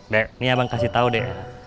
dek nih abang kasih tau dek